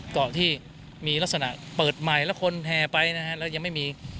เกาะที่มีลักษณะเปิดใหม่แล้วคนแห่ไปนะฮะแล้วยังไม่มี